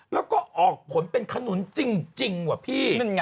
แล้วก็ออกผลเป็นขนุนจริงว่ะพี่